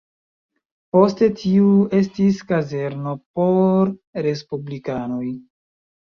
Poste tiu estis kazerno por respublikanoj.